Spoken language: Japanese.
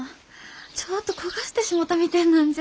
ちょっと焦がしてしもうたみてえなんじゃ。